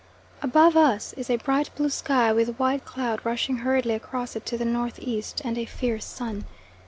Above us is a bright blue sky with white cloud rushing hurriedly across it to the N.E. and a fierce sun.